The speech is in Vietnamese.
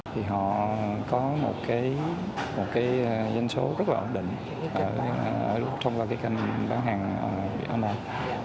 thì họ có một danh số rất là ổn định trong kênh bán hàng việt nam